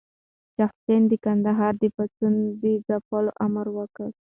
شاه حسين د کندهار د پاڅون د ځپلو امر وکړ.